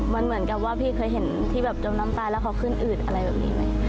มันเหมือนกับว่าพี่เคยเห็นที่แบบจมน้ำตายแล้วเขาขึ้นอืดอะไรแบบนี้ไหม